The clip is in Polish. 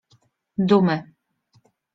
dumy.